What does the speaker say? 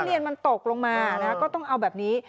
เรียนมันตกลงมาก็ต้องเอาแบบนี้